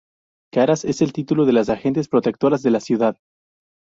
Karas: Es el título de los agentes protectores de la ciudad.